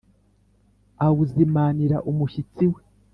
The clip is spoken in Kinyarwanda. awuzimanira umushyitsi we.